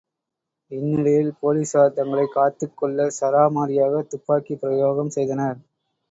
இந்நிலையில் போலீஸார் தங்களைக் காத்துக் கொள்ளச்சரமாரியாகத் துப்பாக்கிப் பிரயோகம் செய்தனர்.